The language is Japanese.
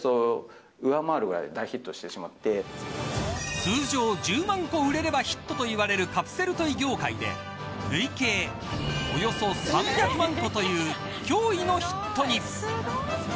通常１０万個売れればヒットといわれるカプセルトイ業界で累計およそ３００万個という驚異のヒットに。